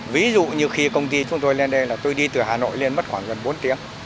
ví dụ như khi công ty chúng tôi lên đây là tôi đi từ hà nội lên mất khoảng gần bốn tiếng